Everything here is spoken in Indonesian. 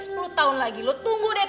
sekali lagi nganyak dokter e briefing